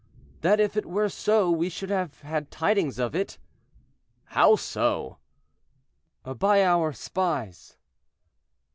"That if it were so we should have had tidings of it." "How so?"—"By our spies."